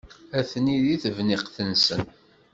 Atni deg tebniqt-nsen.